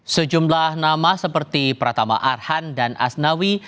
sejumlah nama seperti pratama arhan dan asnawi